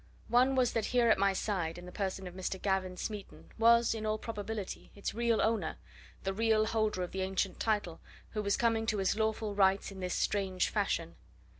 One was that here at my side, in the person of Mr. Gavin Smeaton, was, in all probability, its real owner, the real holder of the ancient title, who was coming to his lawful rights in this strange fashion.